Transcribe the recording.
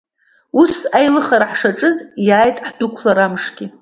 Ус аилыхара ҳшаҿыз, иааит хдәықулара амшгьы.